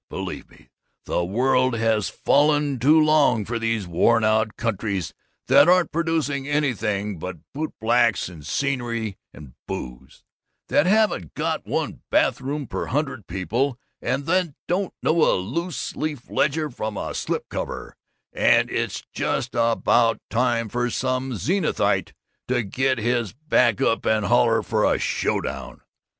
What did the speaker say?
Believe me, the world has fallen too long for these worn out countries that aren't producing anything but bootblacks and scenery and booze, that haven't got one bathroom per hundred people, and that don't know a loose leaf ledger from a slip cover; and it's just about time for some Zenithite to get his back up and holler for a show down!